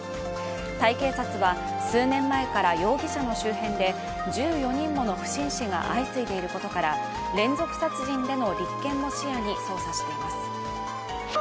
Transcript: タイ警察は数年前から容疑者の周辺で１４人もの不審死が相次いでいることから連続殺人での立件も視野に捜査しています。